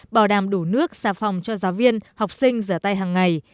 bảo đảm đủ nước xà phòng cho giáo viên học sinh giở tay hàng ngày